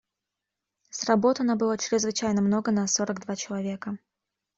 Сработано было чрезвычайно много на сорок два человека.